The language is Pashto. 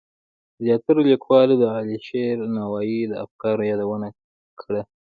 زیاترو لیکوالو د علیشیر نوایی د افکارو یادونه کړه.